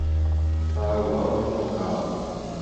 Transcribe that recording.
Tavaygua ohechaukáva.